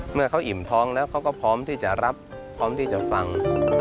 เมื่อเขาอิ่มท้องแล้วเขาก็พร้อมที่จะรับพร้อมที่จะฟัง